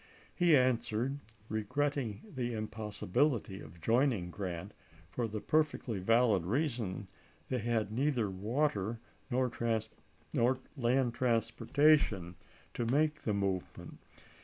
He answered, regretting the impossibility of join ing Grant, for the perfectly valid reason that he had neither water nor land transportation to make the movement.